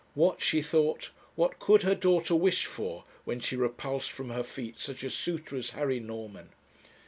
'What,' she thought, 'what could her daughter wish for, when she repulsed from her feet such a suitor as Harry Norman?'